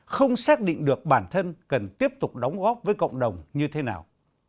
không xác định được bản thân cần tiếp tục đóng góp với cộng đồng như thế nào